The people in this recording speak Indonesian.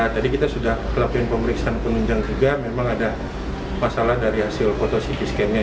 tadi kita sudah melakukan pemeriksaan penunjang juga memang ada masalah dari hasil foto cp scan nya